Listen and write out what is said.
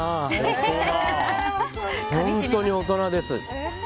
本当に大人です。